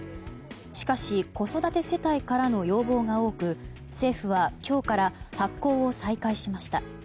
しかし、子育て世帯からの要望が多く政府は今日から発行を再開しました。